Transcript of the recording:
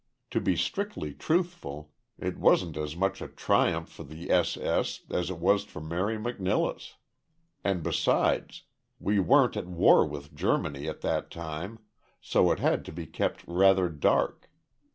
To be strictly truthful, it wasn't as much a triumph for the S. S. as it was for Mary McNilless and, besides, we weren't at war with Germany at that time, so it had to be kept rather dark.